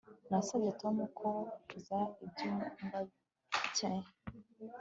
Nasabye Tom koza icyumba cye